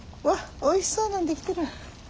わっおいしそうなん出来てる。